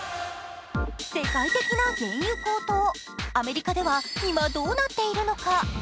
世界的な原油高騰、アメリカでは今どうなっているのか。